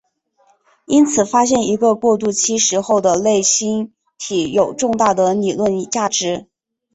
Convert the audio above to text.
因此发现一个过渡期时候的类星体有重大的理论价值。